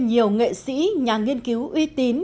nhiều nghệ sĩ nhà nghiên cứu uy tín